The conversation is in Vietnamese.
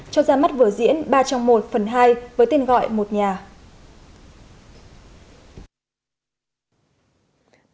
cho ra mắt vở diễn ba trong một phần hai với tên gọi một nhà